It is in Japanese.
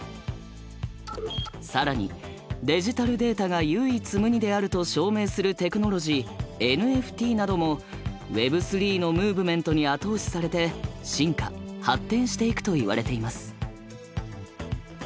更にデジタルデータが唯一無二であると証明するテクノロジー「ＮＦＴ」などもＷｅｂ３のムーブメントに後押しされて進化・発展していくといわれています。